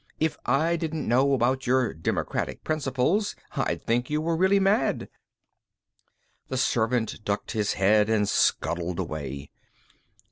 "If I didn't know about your democratic principles, I'd think you were really mad." The servant ducked his head and scuttled away.